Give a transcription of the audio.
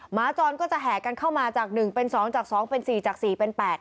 หมาจรก็จะแห่กันเข้ามาจาก๑เป็น๒จาก๒เป็น๔จาก๔เป็น๘